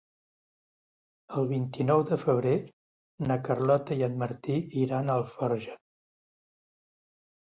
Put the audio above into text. El vint-i-nou de febrer na Carlota i en Martí iran a Alforja.